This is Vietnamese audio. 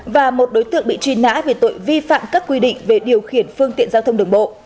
và một đối tượng bị truy nã về tội vi phạm các quy định về điều khiển phương tiện giao thông đường bộ